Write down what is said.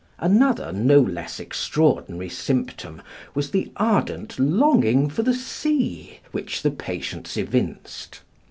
Another no less extraordinary symptom was the ardent longing for the sea which the patients evinced.